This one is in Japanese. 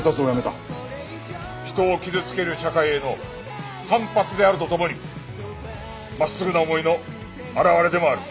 人を傷つける社会への反発であるとともに真っすぐな思いの表れでもある。